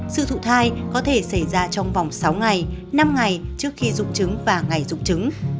sự thụ thai có thể xảy ra trong vòng sáu ngày năm ngày trước khi rụng trứng và ngày rụng trứng